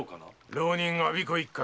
浪人・我孫子一角。